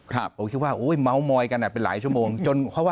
หรือไม่ครับบอกว่าเฮ้ยเม้ามอยกันอ่ะเป็นหลายชั่วโมงจนเขาว่า